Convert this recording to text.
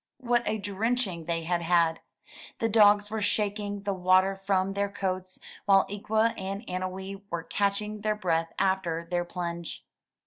What a drenching they had had! The dogs were shaking the water from their coats, while Ikwa and Annowee were catching their breath after their plunge.